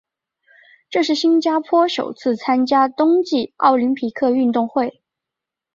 这是新加坡首次参加冬季奥林匹克运动会。